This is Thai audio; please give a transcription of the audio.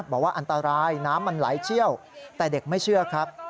บอกว่าอันตรายน้ำมันไหลเชี่ยวแต่เด็กไม่เชื่อครับ